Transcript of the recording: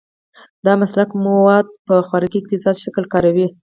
دا مسلک مواد په خورا اقتصادي شکل کاروي.